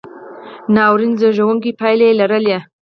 ناورین زېږوونکې پایلې یې لرلې.